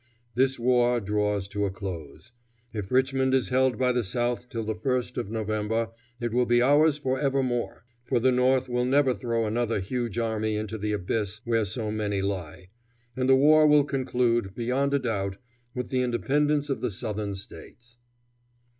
This war draws to a close. If Richmond is held by the South till the first of November it will be ours forever more; for the North will never throw another huge army into the abyss where so many lie; and the war will conclude, beyond a doubt, with the independence of the Southern States."